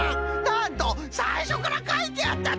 なんとさいしょからかいてあったとは！